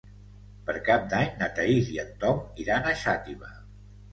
Per Cap d'Any na Thaís i en Tom iran a Xàtiva.